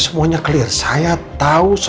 kalau ahi mulai menyangka